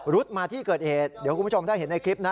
รุดมาที่เกิดเหตุเดี๋ยวคุณผู้ชมถ้าเห็นในคลิปนะ